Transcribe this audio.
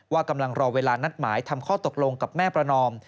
กำลังรอเวลานัดหมายทำข้อตกลงกับแม่ประนอม